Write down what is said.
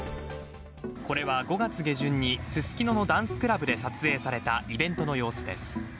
これは５月下旬にススキノのダンスクラブで撮影されたイベントの様子です。